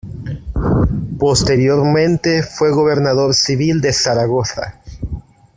Posteriormente fue gobernador civil de Zaragoza.